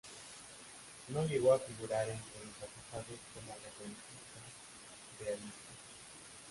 No llegó a figurar entre los acusados por la reconquista realista.